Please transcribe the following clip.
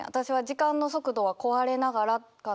「時間の速度は壊れながら」。